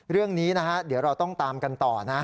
เรื่องนี้นะฮะเดี๋ยวเราต้องตามกันต่อนะ